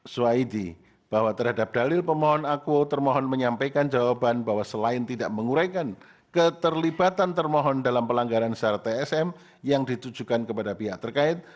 suhaidi bahwa terhadap dalil pemohon aku termohon menyampaikan jawaban bahwa selain tidak menguraikan keterlibatan termohon dalam pelanggaran syarat tsm yang ditujukan kepada pihak terkait